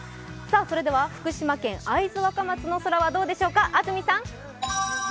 それでは福島県会津若松の空はどうでしょうか。